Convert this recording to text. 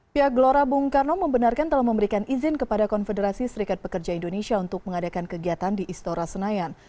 pihak gelora bung karno membenarkan telah memberikan izin kepada konfederasi serikat pekerja indonesia untuk mengadakan kegiatan di istora senayan